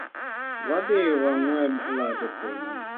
Wadhii wangwed alot e puodho.